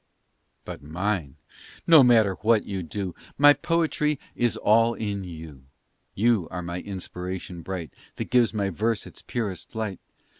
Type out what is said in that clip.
But mine! no matter what you do, My poetry is all in you; You are my inspiration bright That gives my verse its purest light.